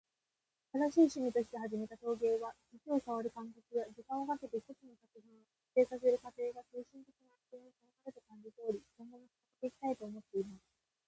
「新しい趣味として始めた陶芸は、土を触る感覚や、時間をかけて一つの作品を完成させる過程が精神的な安定につながると感じており、今後も続けていきたいと思っています。」